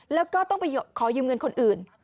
แล้วก็ต้องไปขอยืมเงินคนอื่น